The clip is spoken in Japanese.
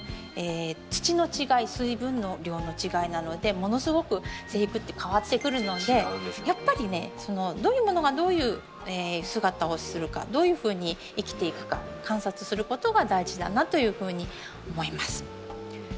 土の違い水分量の違いなどでものすごく生育って変わってくるのでやっぱりねどういうものがどういう姿をするかどういうふうに生きていくか観察することが大事だなというふうに思います。